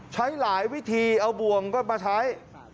ใช้หลายวิธีเอาบ่วงก็มาใช้